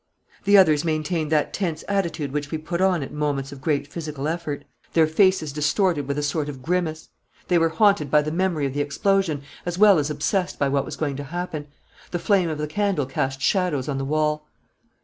The others maintained that tense attitude which we put on at moments of great physical effort. Their faces were distorted with a sort of grimace. They were haunted by the memory of the explosion as well as obsessed by what was going to happen. The flame of the candle cast shadows on the wall.